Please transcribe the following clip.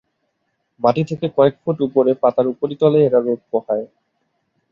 মাটি থেকে কয়েক ফুট উপড়ে পাতার উপরিতলে এরা রোদ পোহায়।